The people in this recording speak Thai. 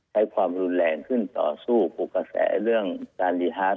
ใช้ความรุนแรงขึ้นต่อสู้ปลุกกระแสเรื่องการรีฮาร์ด